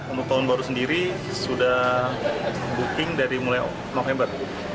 untuk tahun baru sendiri sudah booking dari mulai november